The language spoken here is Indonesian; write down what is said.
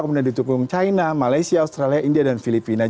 kemudian didukung china malaysia australia india dan filipina